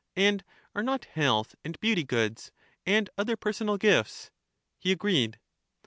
And are not health and beauty goods, and other personal gifts? He agreed.